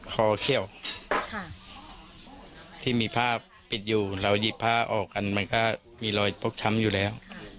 คอเขี้ยวที่มีผ้าปิดอยู่เราหยิบผ้าออกกันมันก็มีรอยฟกช้ำอยู่แล้ว